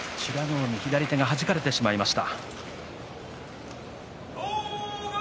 海は左にはじかれてしまいました。